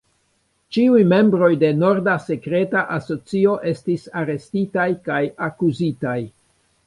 Ĉiuj membroj de "Norda Sekreta Asocio" estis arestitaj kaj akuzitaj.